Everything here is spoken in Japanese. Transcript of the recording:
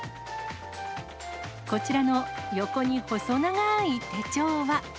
こちらの横に細長い手帳は。